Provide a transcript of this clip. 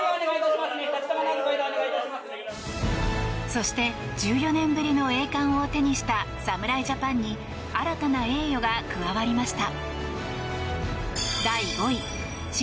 そして、１４年ぶりの栄冠を手にした侍ジャパンに新たな栄誉が加わりました。